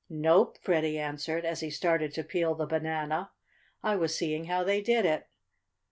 "Nope," Freddie answered, as he started to peel the banana. "I was seeing how they did it."